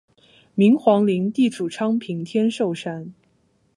明皇陵地处昌平天寿山。